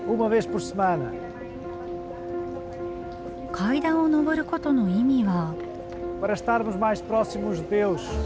階段を上ることの意味は？